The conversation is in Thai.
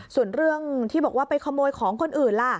ส่วนเรื่องที่บอกว่าไปขโมยของคนอื่นล่ะ